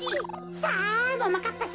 さあももかっぱさま